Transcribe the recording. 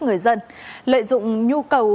người dân lợi dụng nhu cầu